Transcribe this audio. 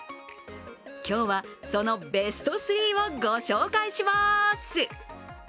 今日はそのベスト３をご紹介しました。